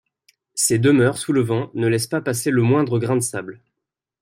Ces demeures, sous le vent, ne laissent pas passer le moindre grain de sable.